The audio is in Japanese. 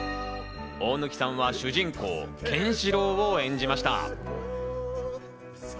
大貫さんは主人公ケンシロウを演じました。